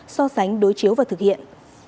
so sánh đối chiếu và thực hiện